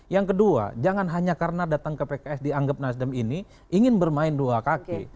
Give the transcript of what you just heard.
yang kedua jangan hanya karena datang ke pks dianggap nasdem ini ingin bermain dua kaki